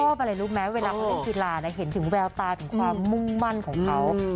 พ่อบรรยายรูปแม้เวลาเข้าไปกีฬานะเห็นถึงแววตาถึงความมุ่งมั่นของเขา